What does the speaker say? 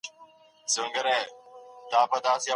ښه انسان تل زړوره وي